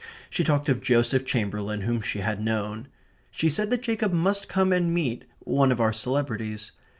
She talked of Joseph Chamberlain, whom she had known. She said that Jacob must come and meet one of our celebrities.